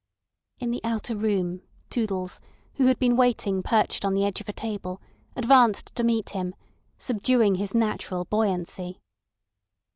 In the outer room Toodles, who had been waiting perched on the edge of a table, advanced to meet him, subduing his natural buoyancy.